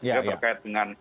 ya terkait dengan